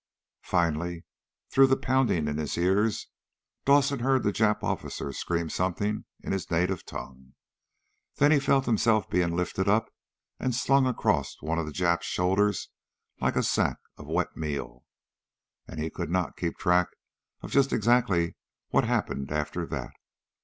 Finally, through the pounding in his ears, Dawson heard the Jap officer scream something in his native tongue. Then he felt himself being lifted up and slung across one of the Japs' shoulders like a sack of wet meal. And he could not keep track of just exactly what happened after that.